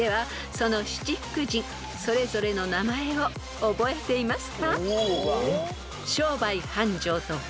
その七福神それぞれの名前を覚えていますか？］